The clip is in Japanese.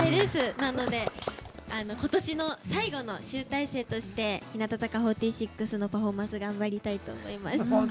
なので、今年の最後の集大成として日向坂４６のパフォーマンスを頑張りたいと思います。